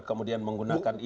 kemudian menggunakan ini